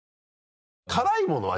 辛いものは？